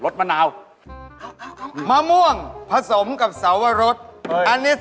แต่ในสมบัติ